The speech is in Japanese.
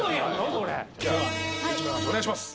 お願いします。